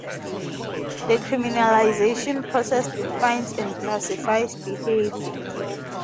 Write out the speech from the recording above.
The criminalisation process defines and classifies behaviour.